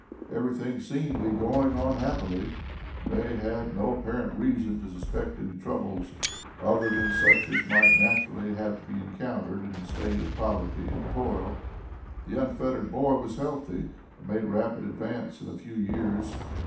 Everything seemed to be going on happily, and they had no apparent reason to suspect any troubles other than such as might naturally have to be encountered in a state of poverty and toil. The unfettered boy was healthy, and made rapid advance in a few years.